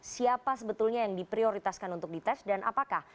siapa sebetulnya yang diprioritaskan untuk dites dan apakah